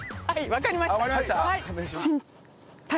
わかりました？